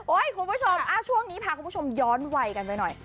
คุณผู้ชมช่วงนี้พาคุณผู้ชมย้อนวัยกันไปหน่อย